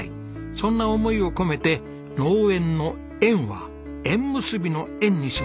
そんな思いを込めて農園の「えん」は縁結びの「縁」にしました。